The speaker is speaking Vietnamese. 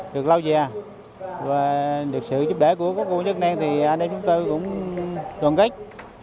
được lau dè và được sự giúp đỡ của các quân chức năng thì chúng tôi cũng tuần kích